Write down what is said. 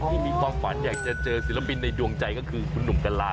ที่มีความฝันอยากจะเจอศิลปินในดวงใจก็คือคุณหนุ่มกะลา